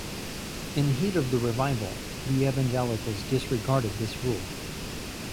In the heat of the revival, the evangelicals disregarded this rule.